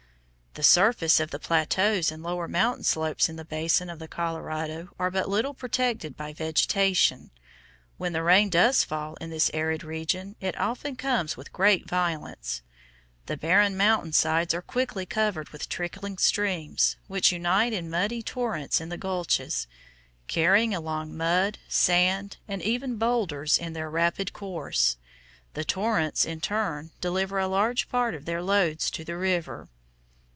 The surface of the plateaus and lower mountain slopes in the basin of the Colorado are but little protected by vegetation. When the rain does fall in this arid region, it often comes with great violence. The barren mountain sides are quickly covered with trickling streams, which unite in muddy torrents in the gulches, carrying along mud, sand, and even boulders in their rapid course; the torrents in turn deliver a large part of their loads to the river.